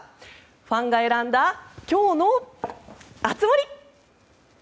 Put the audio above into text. ファンが選んだ今日の熱盛！